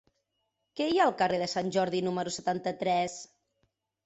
Què hi ha al carrer de Sant Jordi número setanta-tres?